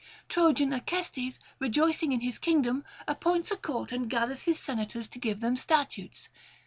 Trojan Acestes, rejoicing in his kingdom, appoints a court and gathers his senators to give them statutes.